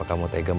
aku mau menangis